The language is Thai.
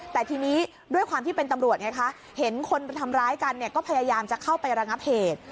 แต่ทีนี้ด้วยความที่เป็นตำรวจไงคะเห็นคนทำร้ายกันเนี่ยก็พยายามจะเข้าไประงับเหตุ